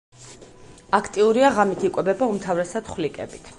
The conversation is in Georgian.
აქტიურია ღამით იკვებება უმთავრესად ხვლიკებით.